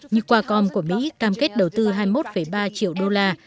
như qualcom của mỹ cam kết đầu tư hai mươi một ba triệu đô la